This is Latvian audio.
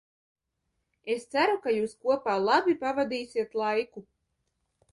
Es ceru, ka jūs kopā labi pavadīsiet laiku!